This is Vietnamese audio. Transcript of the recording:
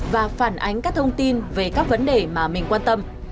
và phản ánh các thông tin về các vấn đề mà mình quan tâm